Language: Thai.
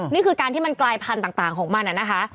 นี่คือการที่มันกลายพันธุ์ต่างของมันนะคะ